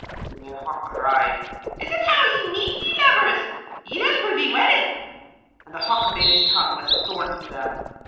Then the hawk cried, 'Is this how ye meet, ye lovers, ye that will be wedded?' And the hawk made his tongue as a thorn to them.